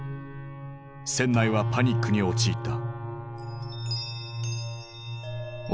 船内はパニックに陥った。